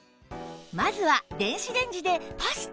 まずは電子レンジでパスタ？